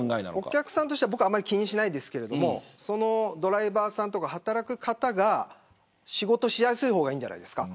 お客さんとしては気にしないですけどドライバーさんや働く方が仕事をしやすい方がいいんじゃないですか。